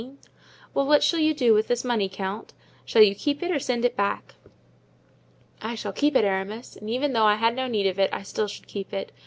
"Well, what shall you do with this money, count? Shall you keep it or send it back?" "I shall keep it, Aramis, and even though I had no need of it I still should keep it.